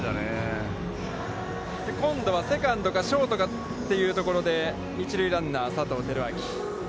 今度はセカンドかショートかというところで一塁ランナー、佐藤輝明。